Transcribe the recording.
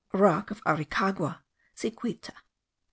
ROCK OF ARICAGUA. SIQUITA.